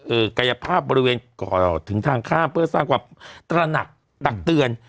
กายภาพบริเวณก่อถึงทางข้ามเพื่อสร้างความตระหนักตักเตือน